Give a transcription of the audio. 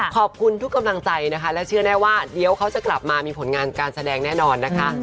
ขอบคุณทุกกำลังใจนะคะและเชื่อแน่ว่าเดี๋ยวเขาจะกลับมามีผลงานการแสดงแน่นอนนะคะ